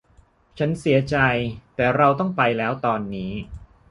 ฉันเสียใจแต่เราต้องไปแล้วตอนนี้